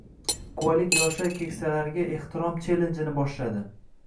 Quvalik yoshlar keksalarga ehtirom chellenjini boshladi